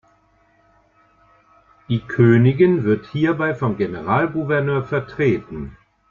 Die Königin wird hierbei vom Generalgouverneur vertreten.